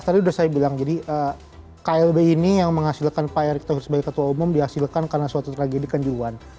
tadi sudah saya bilang jadi klb ini yang menghasilkan pak erick thohir sebagai ketua umum dihasilkan karena suatu tragedi kanjuan